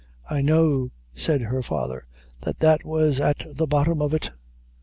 "I know," said her father, "that that was at the bottom of it."